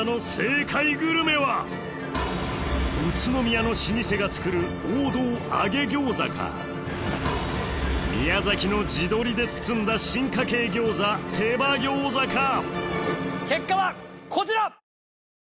宇都宮の老舗が作る王道揚餃子か宮崎の地鶏で包んだ進化形餃子手羽餃子か結果はこちら！